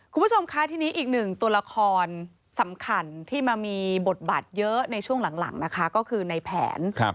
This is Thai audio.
คุณผู้ชมคะทีนี้อีกหนึ่งตัวละครสำคัญที่มามีบทบาทเยอะในช่วงหลังนะคะก็คือในแผน